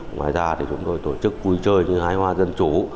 ngoài ra chúng tôi tổ chức vui chơi như hái hoa dân chủ